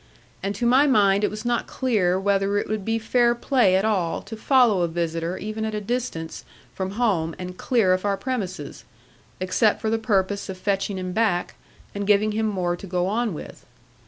And to my mind it was not clear whether it would be fair play at all to follow a visitor even at a distance from home and clear of our premises; except for the purpose of fetching him back, and giving him more to go on with.